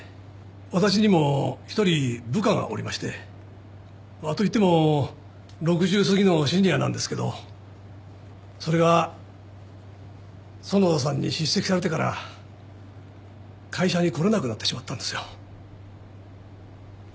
私にも１人部下がおりましてまあといっても６０すぎのシニアなんですけどそれが園田さんに叱責されてから会社に来れなくなってしまったんですよ。